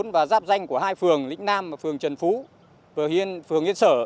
và giáp danh của hai phường lĩnh nam và phường trần phú phường yên sở